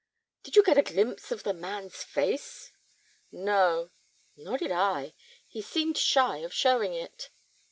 "Did you get a glimpse of the man's face?" "No." "Nor did I. He seemed shy of showing it."